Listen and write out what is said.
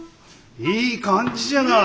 いい感じじゃない！